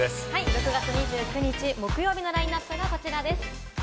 ６月２９日木曜日のラインナップはこちらです。